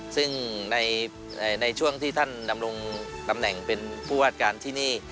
ซึ่งในช่วงที่ท่านดำรงตำแหน่งเป็นผู้วาดการที่นี่